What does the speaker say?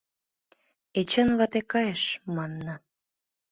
Эчан вате кайыш, манна.